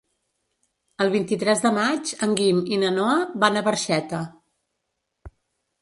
El vint-i-tres de maig en Guim i na Noa van a Barxeta.